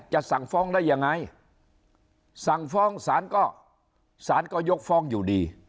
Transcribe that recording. สั่งฟ้องได้ยังไงสั่งฟ้องศาลก็สารก็ยกฟ้องอยู่ดี